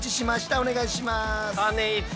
お願いします。